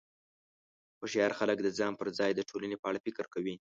هوښیار خلک د ځان پر ځای د ټولنې په اړه فکر کوي.